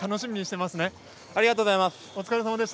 ありがとうございます。